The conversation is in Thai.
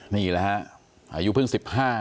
นี่แหละฮะอายุเพิ่ง๑๕